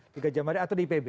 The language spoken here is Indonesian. di gajah mada atau di ipb